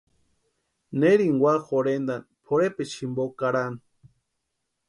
Neri úa jorhentani pʼorhepecha jimpo karani.